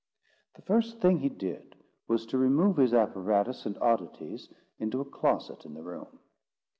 The first thing he did was to remove his apparatus and oddities into a closet in the room.